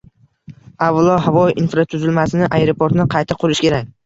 Avvalo, havo infratuzilmasini - aeroportni qayta qurish kerak